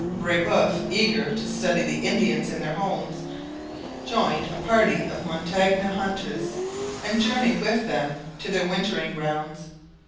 Brebeuf, eager to study the Indians in their homes, joined a party of Montagnais hunters and journeyed with them to their wintering grounds.